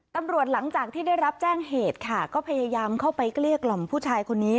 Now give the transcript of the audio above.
ตำรวจหลังจากที่ได้รับแจ้งเหตุแค่พยายามเค้าไปเกรียร์กล่อมผู้ชายคนนี้